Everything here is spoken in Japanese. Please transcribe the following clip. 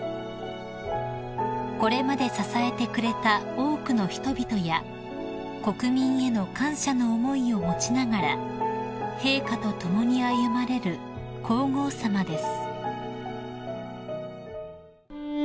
［これまで支えてくれた多くの人々や国民への感謝の思いを持ちながら陛下と共に歩まれる皇后さまです］